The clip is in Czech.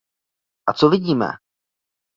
A co vidíme?